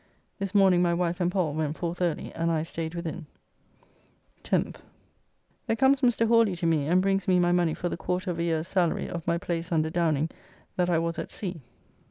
This morning my wife and Pall went forth early, and I staid within. 10th. There comes Mr. Hawley to me and brings me my money for the quarter of a year's salary of my place under Downing that I was at sea.